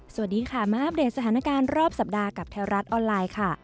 สวัสดีค่ะมาอัปเดตสถานการณ์รอบสัปดาห์กับแถวรัฐออนไลน์ค่ะ